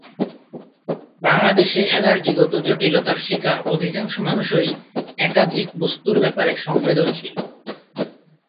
বাংলাদেশে অ্যালার্জিগত জটিলতার শিকার অধিকাংশ মানুষই একাধিক বস্ত্তর ব্যাপারে সংবেদনশীল।